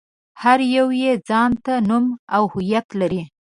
هر يو يې ځان ته نوم او هويت لري.